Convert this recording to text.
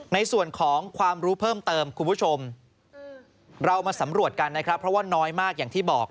ในส่วนของความรู้เพิ่มเติมคุณผู้ชมเรามาสำรวจกันนะครับเพราะว่าน้อยมากอย่างที่บอก